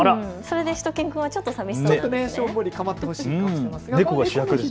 しゅと犬くんはちょっと寂しそうですね。